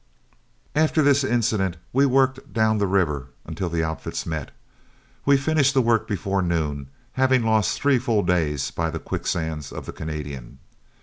After this incident we worked down the river until the outfits met. We finished the work before noon, having lost three full days by the quicksands of the Canadian.